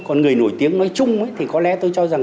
còn người nổi tiếng nói chung thì có lẽ tôi cho rằng